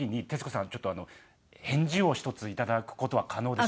ちょっとあの返事を一つ頂く事は可能でしょうか？